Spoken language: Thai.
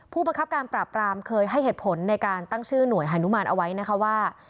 ผู้ประคับการปราบรามเคยให้เหตุผลในการตั้งชื่อหน่วยฮานุมานเอาไว้นะคะว่า